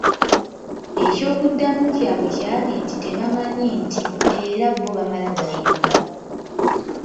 Eky’okuddamu kyabwe kyali nti tebamanyi nti era bo baamala gayimba.